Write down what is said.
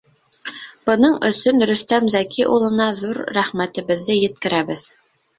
Бының өсөн Рөстәм Зәки улына ҙур рәхмәтебеҙҙе еткерәбеҙ.